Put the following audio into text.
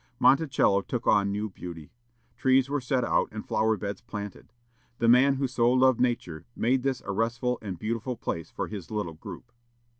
Monticello took on new beauty. Trees were set out and flower beds planted. The man who so loved nature made this a restful and beautiful place for his little group.